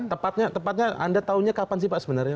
tepatnya tepatnya anda tahunya kapan sih pak sebenarnya